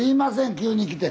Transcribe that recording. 急に来て。